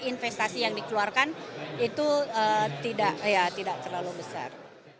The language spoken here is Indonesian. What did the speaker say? investasi yang dikeluarkan itu tidak terlalu besar